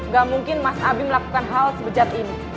gak mungkin mas abi melakukan hal sebejat ini